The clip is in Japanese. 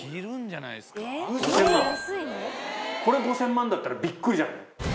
これ５０００万だったらびっくりじゃない？